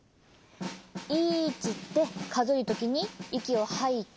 「いち」ってかぞえるときにいきをはいて。